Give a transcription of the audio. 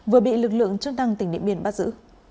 vừa bị lực lượng chức năng tỉnh điện biên bắt giữ